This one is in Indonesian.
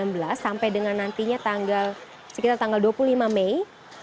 tanggal dua puluh mei dua ribu sembilan belas sampai dengan nantinya sekitar tanggal dua puluh lima mei